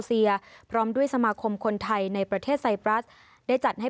พร้อมด้วยสมาคมคนไทยในประเทศไซปรัสได้จัดให้